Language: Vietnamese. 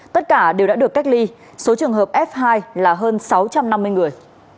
tất cả đều đã được cách ly số trường hợp f hai là hơn sáu trăm năm mươi người